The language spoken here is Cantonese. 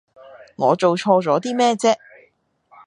我做錯咗啲咩啫？